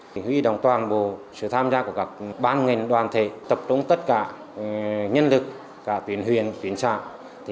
huyện y tế đồng toàn bộ sự tham gia của các ban nguyên đoàn thể tập trung tất cả nhân lực cả tuyển huyền tuyển sản